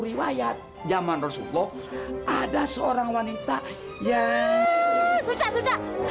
riwayat zaman rasulullah ada seorang wanita yang suca suca